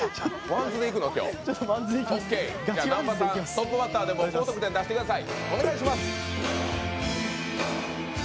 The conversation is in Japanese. トップバッターでも高得点を出してください。